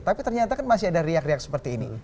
tapi ternyata kan masih ada riak riak seperti ini